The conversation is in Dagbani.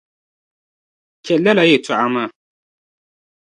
Chɛli lala yɛlitɔɣa maa